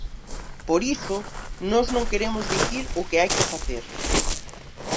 Por iso, nós non queremos dicir o que hai que facer.